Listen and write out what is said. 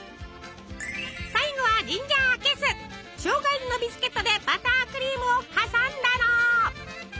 最後はしょうが入りのビスケットでバタークリームを挟んだの。